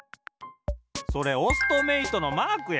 それオストメイトのマークや。